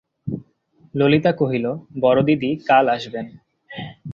ললিতা কহিল, বড়দিদি কাল আসবেন।